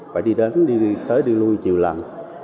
phải đi đến đi tới đi lui nhiều lần